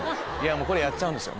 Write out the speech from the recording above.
もうこれやっちゃうんですよ